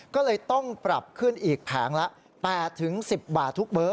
ก็เลยต้องปรับขึ้นอีกแผงละ๘๑๐บาททุกเบอร์